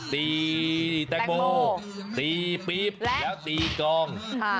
ตีแตงโมตีปี๊บแล้วตีกอง